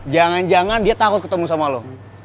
jangan jangan dia takut ketemu sama lo